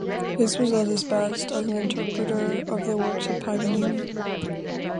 His was at his best as an interpreter of the works of Paganini.